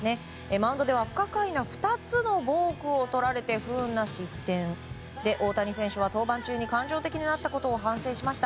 マウンドでは不可解な２つのボークを取られて不運な失点で大谷選手は登板中に感情的になったことを反省しました。